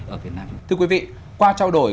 ở việt nam thưa quý vị qua trao đổi